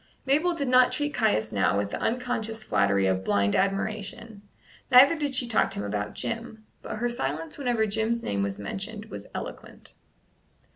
Mabel did not treat Caius now with the unconscious flattery of blind admiration, neither did she talk to him about Jim; but her silence whenever Jim's name was mentioned was eloquent.